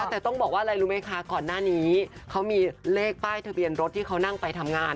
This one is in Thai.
แต่ต้องบอกว่าอะไรรู้ไหมคะก่อนหน้านี้เขามีเลขป้ายทะเบียนรถที่เขานั่งไปทำงาน